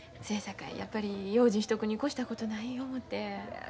そやさかいやっぱり用心しとくに越したことない思て。